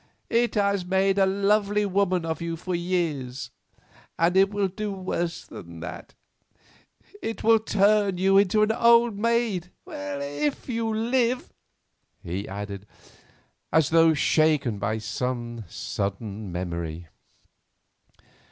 It has made a lonely woman of you for years, and it will do worse than that. It will turn you into an old maid—if you live," he added, as though shaken by some sudden memory.